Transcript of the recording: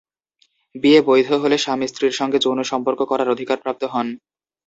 বিয়ে বৈধ হলে স্বামী স্ত্রীর সঙ্গে যৌন সম্পর্ক করার অধিকারপ্রাপ্ত হন।